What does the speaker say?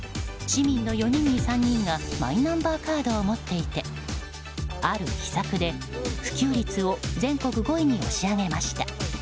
市民の４人に３人がマイナンバーカードを持っていてある秘策で普及率を全国５位に押し上げました。